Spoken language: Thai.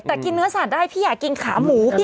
แต่กินเนื้อสาดได้พี่อยากกินขาหมู